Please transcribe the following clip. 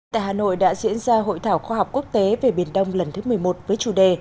tại hà nội đã diễn ra hội thảo khoa học quốc tế về biển đông lần thứ một mươi một với chủ đề